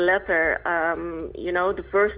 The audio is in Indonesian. seperti yang saya katakan di surat